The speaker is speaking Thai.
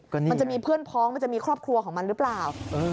มันจะมีเพื่อนพ้องมันจะมีครอบครัวของมันหรือเปล่า